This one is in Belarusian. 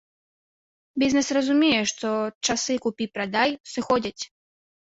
Бізнэс разумее, што часы купі-прадай сыходзяць.